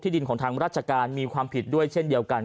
ดินของทางราชการมีความผิดด้วยเช่นเดียวกัน